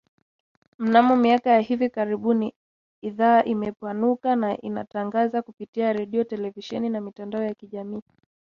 Mnamo miaka ya hivi karibuni ,idhaa imepanuka na inatangaza kupitia redio, televisheni na mitandao ya kijamii